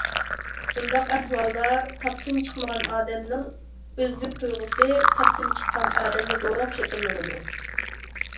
بۇنداق ئەھۋالدا تاپتىن چىقمىغان ئادەمنىڭ ئۆزلۈك تۇيغۇسى تاپتىن چىققان ئادەمنى دوراپ شەكىللىنىدۇ.